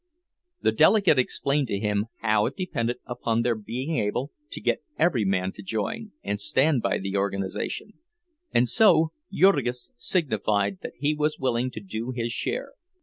The delegate explained to him how it depended upon their being able to get every man to join and stand by the organization, and so Jurgis signified that he was willing to do his share.